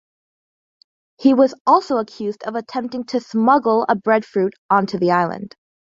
He was also accused of attempting to smuggle a breadfruit on to the island.